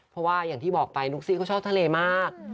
เพราะว่าอย่างที่บอกไปลูกซี่เขาชอบทะเลมาก